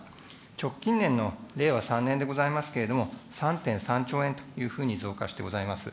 直近年の令和３年でございますけれども、３．３兆円というふうに増加してございます。